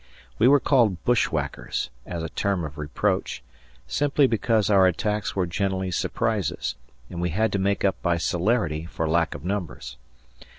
We were called bushwhackers, as a term of reproach, simply because our attacks were generally surprises, and we had to make up by celerity for lack of numbers.